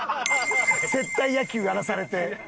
接待野球やらされて。